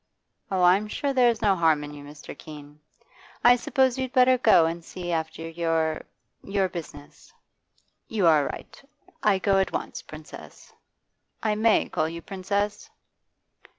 'Oh, I'm sure there's no harm in you, Mr. Keene. I suppose you'd better go and see after your your business.' 'You are right. I go at once, Princess. I may call you Princess?